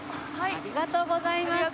ありがとうございます。